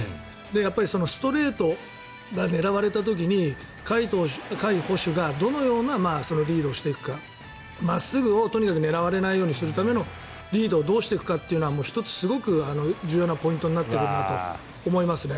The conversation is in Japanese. やっぱりストレートが狙われた時に甲斐捕手がどのようなリードをしていくか真っすぐをとにかく狙われないようにするためのリードをどうしていくかというのは１つ、すごく重要なポイントになってくると思いますね。